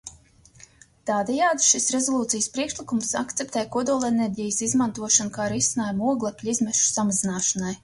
Tādējādi šis rezolūcijas priekšlikums akceptē kodolenerģijas izmantošanu kā risinājumu oglekļa izmešu samazināšanai.